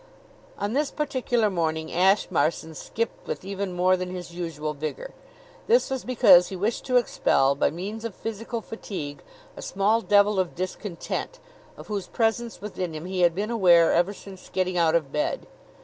On this particular morning Ashe Marson skipped with even more than his usual vigor. This was because he wished to expel by means of physical fatigue a small devil of discontent, of whose presence within him he had been aware ever since getting out of bed.